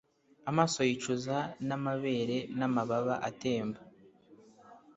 Amaso yicuza n'amabere n'amababa atemba -